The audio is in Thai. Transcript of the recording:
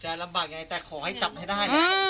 ลำบากยังไงแต่ขอให้จับให้ได้นะ